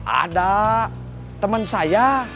ada temen saya